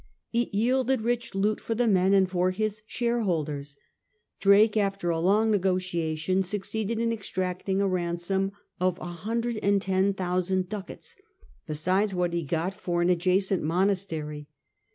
It yielded rich loot for the men, and for his shareholders Drake after a long negotiation succeeded in exacting a ransom of a hundred and ten thousand ducats, besides what he got for an adjacent monastery.